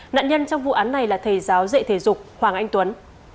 nạn nhân trong vụ án này là thầy giáo dạy thể dục hoàng anh tuấn